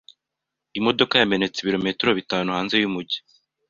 Imodoka yamenetse ibirometero bitanu hanze yumujyi.